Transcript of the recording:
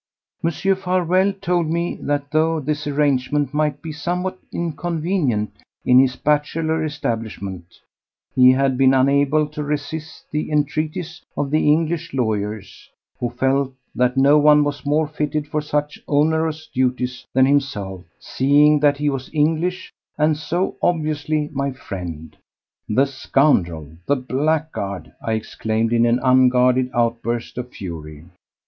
Mr. Farewell told me that though this arrangement might be somewhat inconvenient in his bachelor establishment, he had been unable to resist the entreaties of the English lawyers, who felt that no one was more fitted for such onerous duties than himself, seeing that he was English and so obviously my friend." "The scoundrel! The blackguard!" I exclaimed in an unguarded outburst of fury.